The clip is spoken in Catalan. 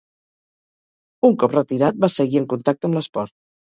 Un cop retirat, va seguir en contacte amb l'esport.